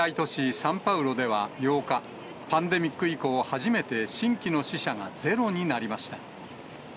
サンパウロでは８日、パンデミック以降初めて新規の死者がゼロになりました。